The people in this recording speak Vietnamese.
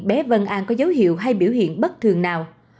bé vân an có dấu hiệu hay biểu hiện bất thường nào